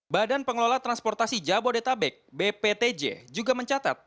badan pengelola transportasi jabodetabek bptj juga mencatat